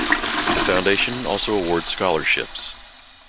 The Foundation also awards scholarships...